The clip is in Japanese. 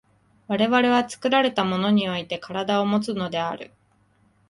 我々は作られたものにおいて身体をもつのである。